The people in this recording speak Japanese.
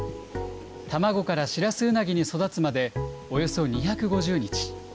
卵からシラスウナギに育つまで、およそ２５０日。